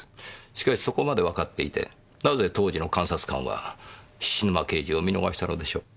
しかしそこまでわかっていてなぜ当時の監察官は菱沼刑事を見逃したのでしょう？